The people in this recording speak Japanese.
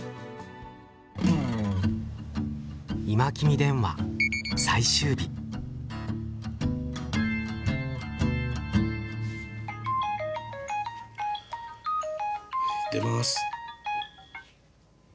「今君電話」最終日。出ます。